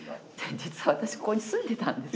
実は私ここに住んでたんです。